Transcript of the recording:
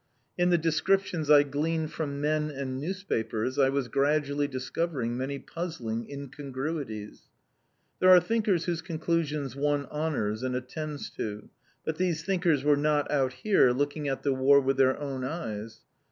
In the descriptions I gleaned from men and newspapers I was gradually discovering many puzzling incongruities. There are thinkers whose conclusions one honours, and attends to: but these thinkers were not out here, looking at the War with their own eyes.